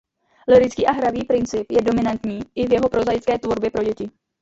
Lyrický a hravý princip je dominantní iv jeho prozaické tvorbě pro děti.